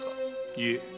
いえ。